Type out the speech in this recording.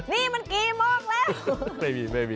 นี่มันกรีมเมิกแล้ว